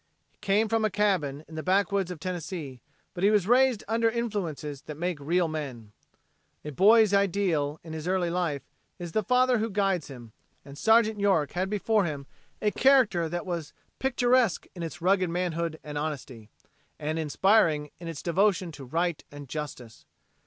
He came from a cabin in the backwoods of Tennessee but he was raised under influences that make real men. A boy's ideal, in his early life, is the father who guides him, and Sergeant York had before him a character that was picturesque in its rugged manhood and honesty, and inspiring in its devotion to right and justice.